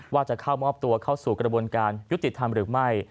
ว่าจะเข้ามอบตัวเข้าสู่กระบวนการยุติธรรมหรือไม่